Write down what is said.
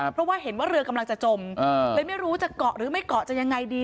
เพราะว่าเห็นว่าเรือกำลังจะจมเลยไม่รู้จะเกาะหรือไม่เกาะจะยังไงดี